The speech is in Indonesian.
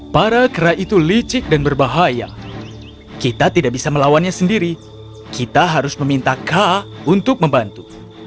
para kera itu licik dan berbahaya kita tidak bisa melawannya sendiri kita harus meminta ka untuk membantu